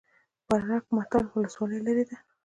برګ مټال ولسوالۍ لیرې ده؟